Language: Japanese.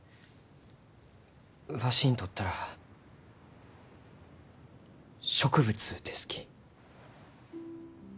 わしにとったら植物ですき。